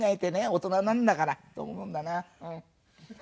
大人なんだからと思うんだなうん。